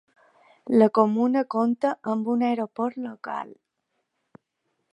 La comuna compta amb un aeroport local.